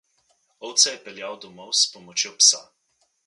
Ovce je peljal domov s pomočjo psa.